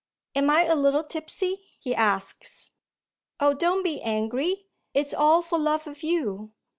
'Am I a little tipsy?' he asks. 'Oh, don't be angry; it's all for love of you.